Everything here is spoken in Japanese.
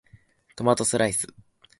トマトスライス